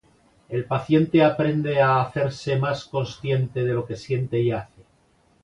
El paciente aprende a hacerse más consciente de lo que siente y hace.